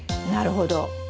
なるほど。